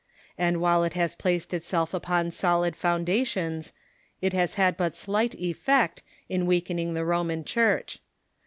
And Avhile it has placed itself upon solid foundations, it has had but slight effect in weaken * Quoted by Gcoi'go P.